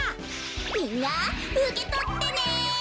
みんなうけとってね！